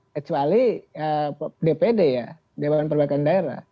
kecuali dpd ya dewan perbaikan daerah